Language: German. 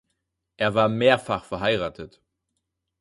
Er war mehrfach verheiratet.